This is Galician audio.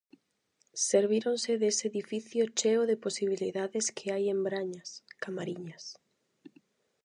Servíronse dese edificio cheo de posibilidades que hai en Brañas, Camariñas.